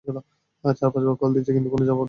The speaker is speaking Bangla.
চার-পাঁচবার কল করেছি কিন্তু কোনো জবাব দেয়নি।